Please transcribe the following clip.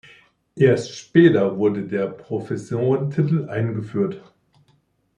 Erst später wurde der Professorentitel eingeführt.